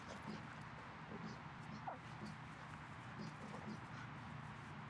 უორიორსმა ასევე დაამყარა რეკორდი, რეგულარულ სეზონში ყველაზე მეტი მოგებული თამაშით.